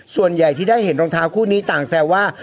ส่วนใหญ่ที่ได้เห็นรองเท้าคู่นี้ต่างแซวว่า